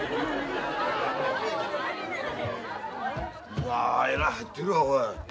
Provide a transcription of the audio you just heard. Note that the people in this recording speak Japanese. うわえらい入ってるわおい。